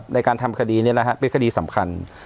ในการทำคดีนี้นะฮะเป็นคดีสำคัญ